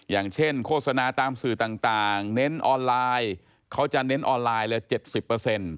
อย่างเช่นโฆษณาตามสื่อต่างเน้นออนไลน์เขาจะเน้นออนไลน์ละ๗๐